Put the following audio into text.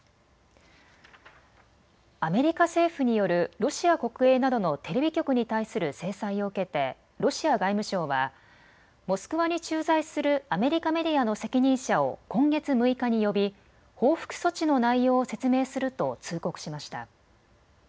アメリカ政府によるロシア国営などのテレビ局に対する制裁を受けてロシア外務省はモスクワに駐在するアメリカメディアの責任者を今月６日に呼び報復措置の内容を説明すると通告しました。